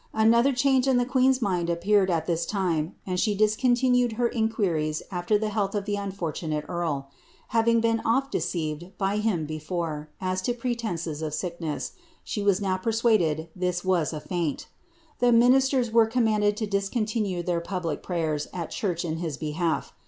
Another change in ilie queen's mind appearetl at this time, and she discontinued her inquiries after the health of the unfortunate earl ; having been oft deceived by him before, as to pretences of sicknes!. she was now persuaded ihis was a feint. The ministers were com manded lo discontinue their public pravers at church in his behalf.